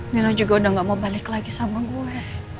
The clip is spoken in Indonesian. nino juga udah gak mau balik lagi sama gue